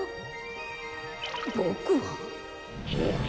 ボクは？